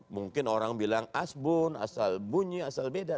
mungkin orang bilang asbun asal bunyi asal beda